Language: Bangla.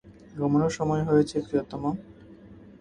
ঘুমানোর সময় হয়েছে, প্রিয়তম!